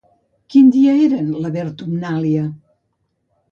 Quin dia eren la Vertumnàlia?